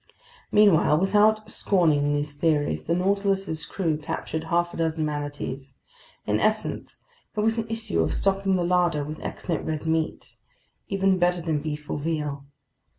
Meanwhile, without scorning these theories, the Nautilus's crew captured half a dozen manatees. In essence, it was an issue of stocking the larder with excellent red meat, even better than beef or veal.